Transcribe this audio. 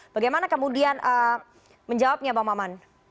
bagaimana kemudian menjawabnya bang maman